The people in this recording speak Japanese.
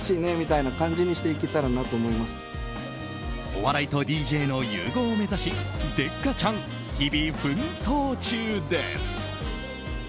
お笑いとＤＪの融合を目指しデッカチャン、日々奮闘中です。